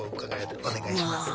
お願いしますね。